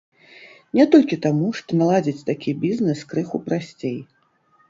Не толькі таму, што наладзіць такі бізнес крыху прасцей.